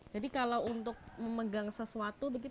jadi kalau untuk memegang sesuatu begitu